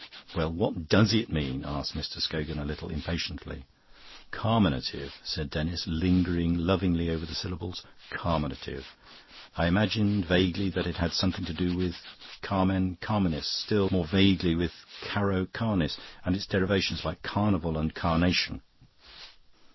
"Well, what DOES it mean?" asked Mr. Scogan, a little impatiently. "Carminative," said Denis, lingering lovingly over the syllables, "carminative. I imagined vaguely that it had something to do with carmen carminis, still more vaguely with caro carnis, and its derivations, like carnival and carnation.